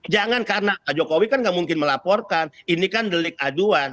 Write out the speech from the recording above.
jangan karena pak jokowi kan gak mungkin melaporkan ini kan delik aduan